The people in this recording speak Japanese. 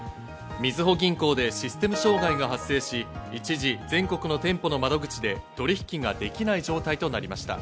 みずほ銀行でシステム障害が発生し、一時全国の店舗の窓口で取引ができない状態となりました。